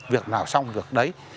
việc nào xong việc đấy